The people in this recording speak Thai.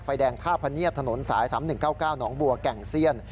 แดงท่าพะเนียดถนนสาย๓๑๙๙หนองบัวแก่งเซียน